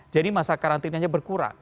jadi masa karantinanya berkurang